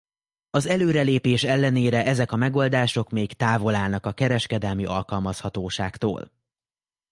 Az előrelépés ellenére ezek a megoldások még távol állnak a kereskedelmi alkalmazhatóságtól.